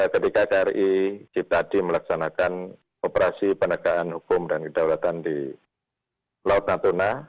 ketika kri ciptadi melaksanakan operasi penegakan hukum dan kedaulatan di laut natuna